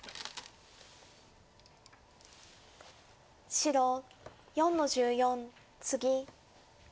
白４の十四ツギ。